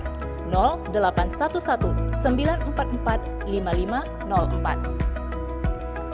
jika buku yang kamu inginkan ada kamu bisa langsung menghubungi petugas melalui whatsapp di nomor delapan ratus sebelas sembilan ratus empat puluh empat lima ribu lima ratus empat